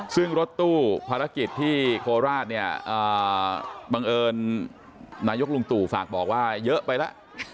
ซึ่งรถตู้ภารกิจที่โคราชเนี่ยบังเอิญนายกลุงตู่ฝากบอกว่าเยอะไปแล้ว